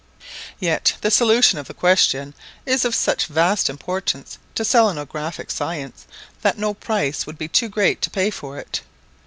Yet the solution of the question is of such vast importance to selenographic science that no price would be too great to pay for it.